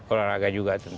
olahraga juga tentu